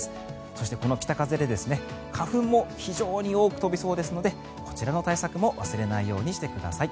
そしてこの北風で、花粉も非常に多く飛びそうですのでこちらの対策も忘れないようにしてください。